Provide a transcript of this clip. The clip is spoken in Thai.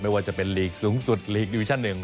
ไม่ว่าจะเป็นหลีกสูงสุดหรือหลีกดิวิชั่นหนึ่ง